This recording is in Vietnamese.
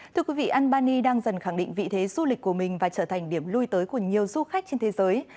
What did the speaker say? thưa quý vị albany đang dần khẳng định vị thế du lịch của mình và trở thành điểm lui tới của nhiều du khách trên thế giới